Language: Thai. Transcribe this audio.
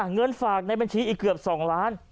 เงินฝากในบัญชีอีกเกือบ๒ล้าน